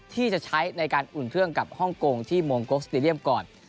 ที่จะใช้ในการอุ่นเครื่องกับฮ่องกงที่มองโกสเตดียมก่อน